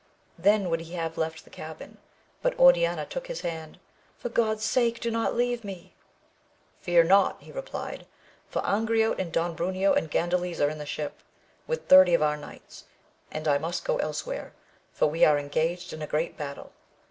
Then would he have left the cabin, but Oriana took his hand — ^For God*s sake do not leave me ! Fear not, he replied ; for Angriote and Don Bruneo, and Grandales are in the ship, with thirty of our knights, and I must go elsewhere, for we are engaged in a great battle.